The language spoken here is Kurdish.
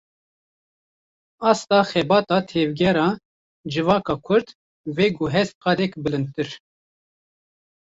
Asta xebata tevgera civaka kurd, veguhest qadek bilindtir